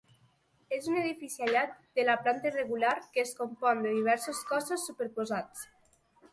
És un edifici aïllat de planta irregular que es compon de diversos cossos superposats.